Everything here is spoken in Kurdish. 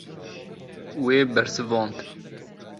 Wê bersivand.